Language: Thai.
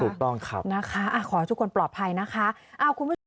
ถูกต้องครับนะคะขอให้ทุกคนปลอดภัยนะคะคุณผู้ชม